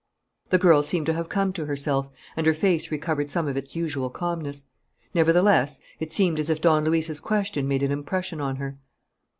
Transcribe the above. The girl seemed to have come to herself, and her face recovered some of its usual calmness. Nevertheless, it seemed as if Don Luis's question made an impression on her.